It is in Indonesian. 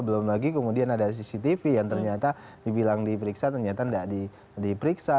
belum lagi kemudian ada cctv yang ternyata dibilang diperiksa ternyata tidak diperiksa